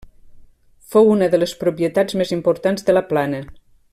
Fou una de les propietats més importants de la Plana.